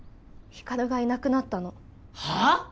光琉がいなくなったのはあ！？